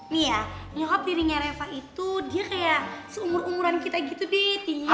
nih ya nyokap tirinya reva itu dia kayak seumur umuran kita gitu detiknya